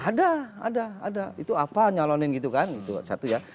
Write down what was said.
ada ada itu apa nyalonin gitu kan itu satu ya